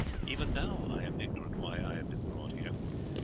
Even now I am ignorant why I have been brought here.